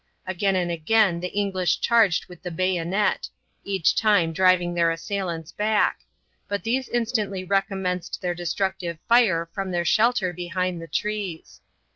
Again and again the English charged with the bayonet, each time driving their assailants back, but these instantly recommenced their destructive fire from their shelter behind the trees.